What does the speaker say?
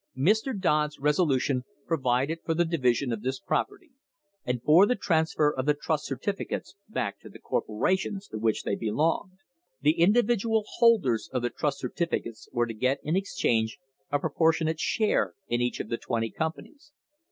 Mr. Dodd's resolution provided for the division of this prop erty, and for the transfer of the trust certificates back to the corporations to which they belonged. The individual holders of the trust certificates were to get in exchange a proportionate share in each of the twenty companies.